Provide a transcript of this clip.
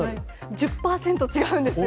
１０％違うんですよ。